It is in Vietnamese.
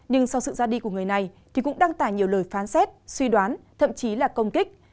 nhưng sau sự ra đi của người này thì cũng đăng tải nhiều lời phán xét suy đoán thậm chí là công kích